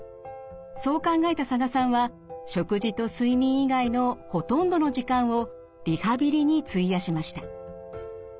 そう考えた佐賀さんは食事と睡眠以外のほとんどの時間をリハビリに費やしました。